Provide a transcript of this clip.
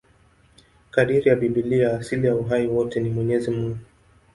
Kadiri ya Biblia, asili ya uhai wote ni Mwenyezi Mungu.